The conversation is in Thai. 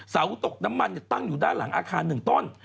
เสาตกน้ำมันตั้งอยู่ด้านหลังอาคาร๑ต้น